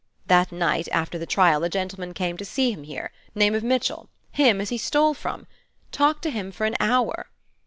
That night, after the trial, a gentleman came to see him here, name of Mitchell, him as he stole from. Talked to him for an hour.